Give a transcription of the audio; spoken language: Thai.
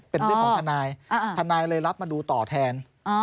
เป็นเรื่องของทนายทนายเลยรับมาดูต่อแทน